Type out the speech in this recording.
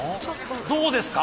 どうですか？